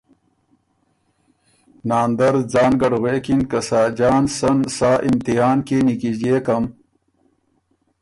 ناندر ځان ګډ غوېکِن که ساجان سن سا امتحان کی نیکیݫيېکم